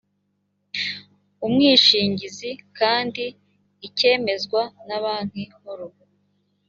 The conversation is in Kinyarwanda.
umwishingizi kandi ikemezwa na banki nkuru